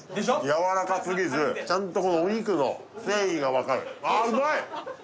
やわらかすぎずちゃんとこのお肉の繊維が分かるああうまい！